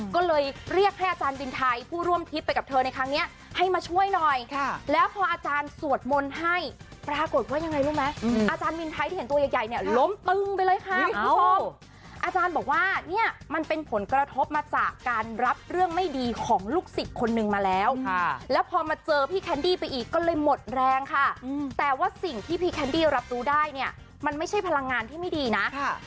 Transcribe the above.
ก็เลยเรียกให้อาจารย์วินไทยผู้ร่วมทิศไปกับเธอในครั้งนี้ให้มาช่วยหน่อยแล้วพออาจารย์สวดมนต์ให้ปรากฏว่ายังไงรู้ไหมอาจารย์วินไทยที่เห็นตัวใหญ่เนี่ยล้มปึ้งไปเลยค่ะอาจารย์บอกว่าเนี่ยมันเป็นผลกระทบมาจากการรับเรื่องไม่ดีของลูกศิษย์คนนึงมาแล้วแล้วพอมาเจอพี่เคนดี้ไปอีกก็เลยหมดแรงค่